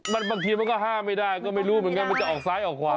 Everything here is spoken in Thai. บางทีมันก็ห้ามไม่ได้ก็ไม่รู้เหมือนกันมันจะออกซ้ายออกขวา